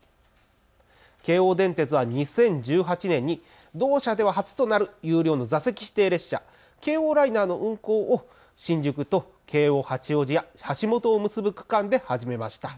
京王電鉄は２０１８年に同社では初となる有料の座席指定列車、京王ライナーの運行を新宿と京王八王子や橋本を結ぶ区間で始めました。